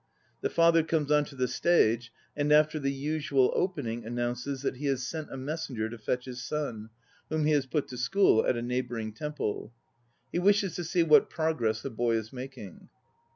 The father comes on to the stage and, after the usual opening, announces that he has sent a messenger to fetch his son, whom he has put to school at a neighbouring temple. He wishes to see what progress the boy is making.